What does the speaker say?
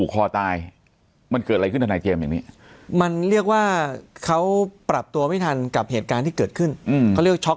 ขอบคุณครับสวัสดีครับ